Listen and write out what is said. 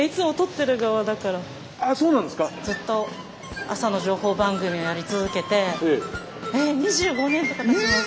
ずっと朝の情報番組をやり続けてえっ２５年とかたちます。